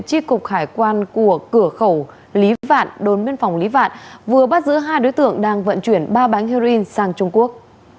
tri cục hải quan của cửa khẩu lý vạn đồn biên phòng lý vạn vừa bắt giữ hai đối tượng đang vận chuyển ba bánh heroin sang trung quốc